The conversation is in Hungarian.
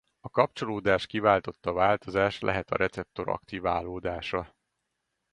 A kapcsolódás kiváltotta változás lehet a receptor aktiválódása.